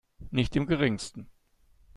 Nicht im Geringsten.